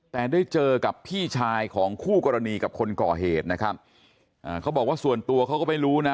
แต่ได้เจอกับพี่ชายของคู่กรณีกับคนก่อเหตุนะครับอ่าเขาบอกว่าส่วนตัวเขาก็ไม่รู้นะ